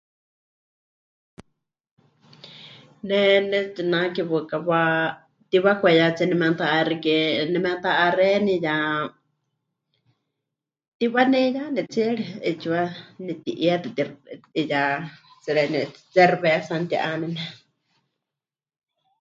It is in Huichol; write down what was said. Ne pɨnetsinake waɨkawa mɨtiwakwaiyátsie nemeta'axike, nemeta'axeni ya mɨtiwaneiyane tsiere 'eetsiwa neti'ietɨ tixaɨ, 'iyá tsɨ xeeníu cerveza mɨti'ánene.